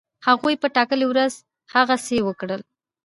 هغوی په ټاکلې ورځ هغسی وکړل.